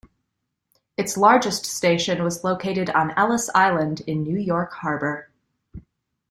Its largest station was located on Ellis Island in New York harbor.